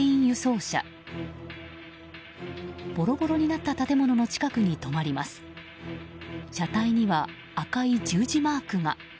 車体には赤い十字マークが。